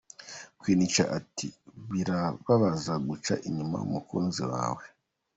Queen cha ati: "Birababaza guca inyuma umukunzi wawe.